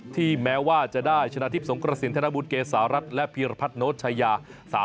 ที่แม้ว่าจะได้ชนะทิพย์สงครสินธนบุตรเกษารัฐและพีรพัฒโนชัยา